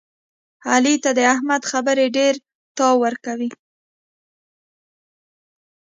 علي ته د احمد خبرې ډېرتاو ورکوي.